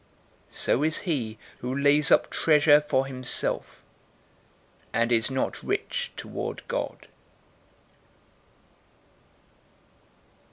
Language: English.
012:021 So is he who lays up treasure for himself, and is not rich toward God."